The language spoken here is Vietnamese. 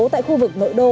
tại khu vực nội đô